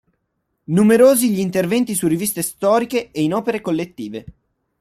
Numerosi gli interventi su riviste storiche e in opere collettive.